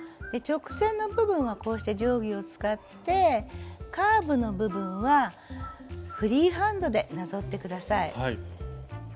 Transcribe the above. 直線の部分はこうして定規を使ってカーブの部分はフリーハンドでなぞって下さい。